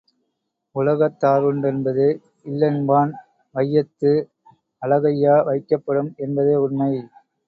உலகத்தா ருண்டென்பது இல்லென்பான் வையத்து அலகையா வைக்கப்படும் என்பதே உண்மை.